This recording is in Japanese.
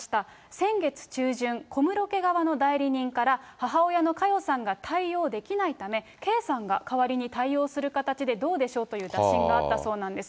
先月中旬、小室家側の代理人から、母親の佳代さんが対応できないため、圭さんが代わりに対応する形でどうでしょうという打診があったそうなんです。